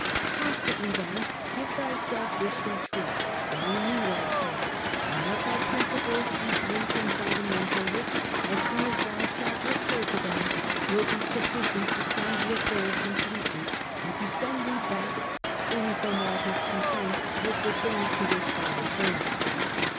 Constantly then give thyself this retreat, and renew thyself ; and let thy principles be brief and fundamental, which, as soon as thou shalt recur to them, will be sufficient to cleanse the soul completely, and to send thee back free from all discontent with the things to which thou returnest.